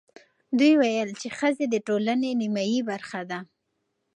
دوی ویل چې ښځې د ټولنې نیمايي برخه ده.